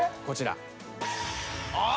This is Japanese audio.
こちら。